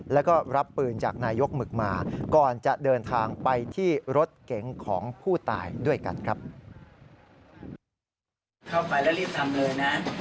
แล้วก็อีกสองนัดก็เอียงมาแล้วก็กลัวเขาไม่ตาย